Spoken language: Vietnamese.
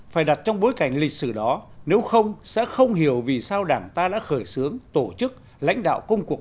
phải đặt trong bối cảnh lịch sử đó nếu không sẽ không hiểu vì sao đảng ta đã khởi xướng tổ chức lãnh đạo công cuộc